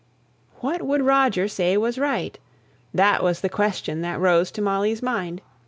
What would Roger say was right? that was the question that rose to Molly's mind.